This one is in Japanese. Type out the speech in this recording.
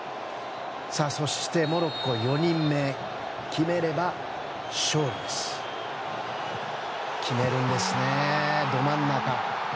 そして、モロッコの４人目決めるんですね、ど真ん中。